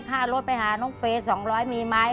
ค่ารถไปหาน้องเฟย์๒๐๐มีไหม